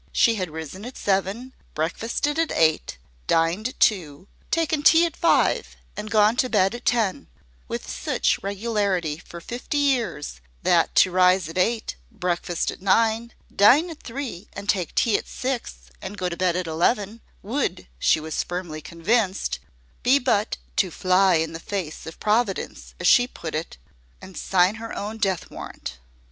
She had risen at seven, breakfasted at eight, dined at two, taken tea at five, and gone to bed at ten, with such regularity for fifty years, that to rise at eight, breakfast at nine, dine at three, and take tea at six, and go to bed at eleven, would, she was firmly convinced, be but "to fly in the face of Providence," as she put it, and sign her own death warrant.